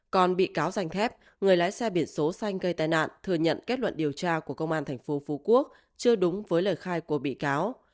còn bị cáo dành thép người lái xe biển số xanh gây tai nạn thừa nhận kết luận điều tra của công an tp phú quốc chưa đúng với lời khai của bị cáo